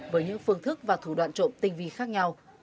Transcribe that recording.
với những phương thức và thủ đoạn trộm tinh vi khác nhau